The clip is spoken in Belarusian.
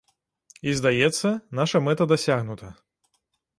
І, здаецца, наша мэта дасягнута.